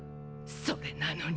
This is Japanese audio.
それなのに！